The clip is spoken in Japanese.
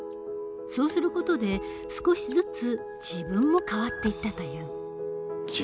そうする事で少しずつ自分も変わっていったという。